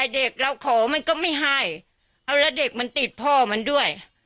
เด็กเราขอมันก็ไม่ให้เอาแล้วเด็กมันติดพ่อมันด้วย